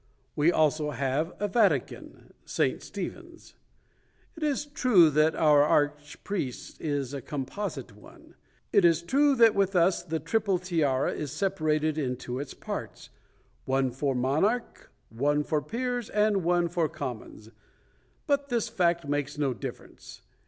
We also have a Vatican — St. Stephen's. It is true that our arch priest is a composite one. It is true that with us the triple tiara is separated into its parts — one for monarch, one for peers, and one for commons. But this fact makes no difference.